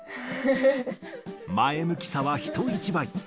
前向きさは人一倍。